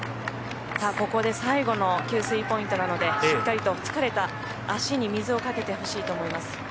ここで最後の給水ポイントなのでしっかりと疲れた足に水をかけてほしいと思います。